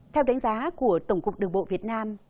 theo đánh giá của tổng cục đường bộ việt nam